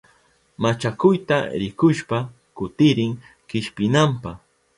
Machakuyata rikushpa kutirin kishpinanpa.